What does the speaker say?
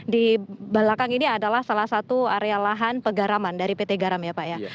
di belakang ini adalah salah satu area lahan pegaraman dari pt garam ya pak ya